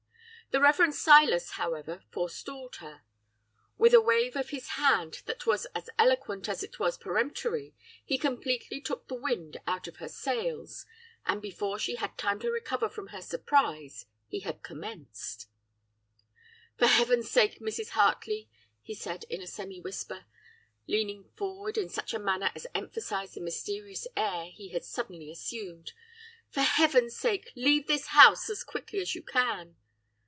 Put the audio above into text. "The Rev. Silas, however, forestalled her. With a wave of his hand that was as eloquent as it was peremptory he completely took the wind out of her sails, and before she had time to recover from her surprise he had commenced: "'For Heaven's sake, Mrs. Hartley!' he said in a semi whisper, leaning forward in such a manner as emphasised the mysterious air he had suddenly assumed, 'for Heaven's sake! leave this house as quickly as you can!